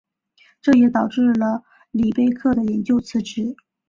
这也导致了里贝克的引咎辞职。